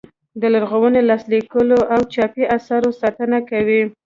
د لرغونو لاس لیکلو او چاپي اثارو ساتنه کوي.